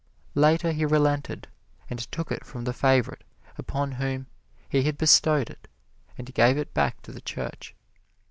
Later he relented and took it from the favorite upon whom he had bestowed it and gave it back to the Church.